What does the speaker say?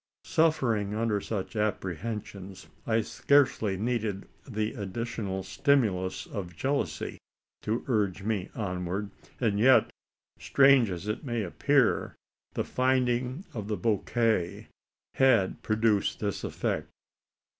Suffering under such apprehensions, I scarcely needed the additional stimulus of jealousy to urge me onward; and yet, strange as it may appear, the finding of the bouquet had produced this effect.